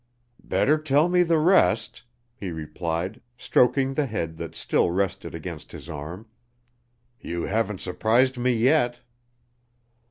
"Better tell me the rest," he replied, stroking the head that still rested against his arm. "You haven't surprised me yet."